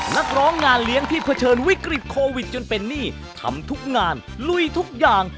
นักร้องงานเลี้ยงที่เผชิญวิกฤตโควิดจนเป็นหนี้ทำทุกงานลุยทุกอย่าง